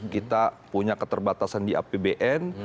kita punya keterbatasan di apbn